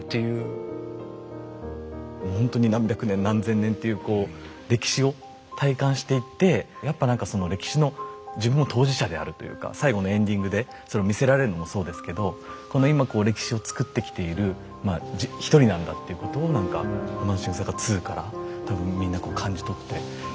ほんとに何百年何千年っていうこう歴史を体感していってやっぱ何かその歴史の自分も当事者であるというか最後のエンディングでそれを見せられるのもそうですけどこの今こう歴史を作ってきている一人なんだっていうことを何かこの「ロマンシングサガ２」から多分みんなこう感じ取っているんだな。